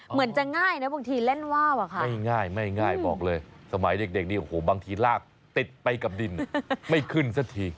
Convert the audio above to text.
เหมือนจะง่ายนะบางทีเล่นว่าวไม่ง่ายบอกเลยสมัยเด็กบางทีลากเต็ดไปกับดินไม่ขึ้นสักที